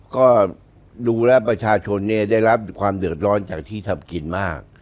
ก็ดูแล้วประชาชนเนี่ยได้รับความเดือดร้อนจากที่ทำกินมาก